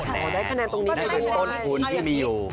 นั่นเป็นต้นทุนที่มีอยู่